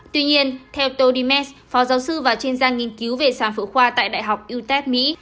tuy nhiên theo toe demes phó giáo sư và chuyên gia nghiên cứu về sản phụ khoa tại đại học utep mỹ